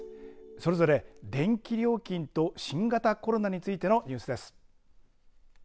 それぞれ電気料金と新型コロナについてのニュースです。